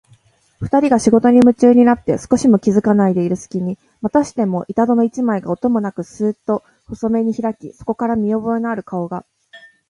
ふたりが仕事にむちゅうになって少しも気づかないでいるすきに、またしても板戸の一枚が、音もなくスーッと細めにひらき、そこから見おぼえのある顔が、